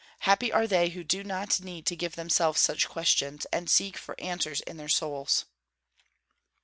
Happy are they who do not need to give themselves such questions, and seek for answers in their souls."